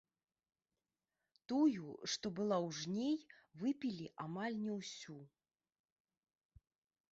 Тую, што была ў жней, выпілі амаль не ўсю.